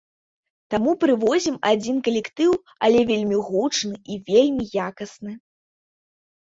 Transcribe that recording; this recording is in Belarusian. Таму прывозім адзін калектыў, але вельмі гучны і вельмі якасны.